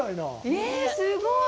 ええ、すごい。